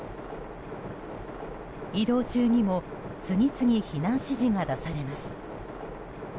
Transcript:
移動中にも、次々避難指示が出されます。